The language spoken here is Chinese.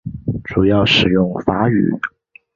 主要使用法语。